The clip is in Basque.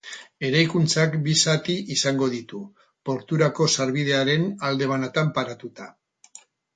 Eraikuntzak bi zati izango ditu, porturako sarbidearen alde banatan paratuta.